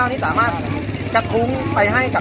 สวัสดีครับทุกคนวันนี้เกิดขึ้นทุกวันนี้นะครับ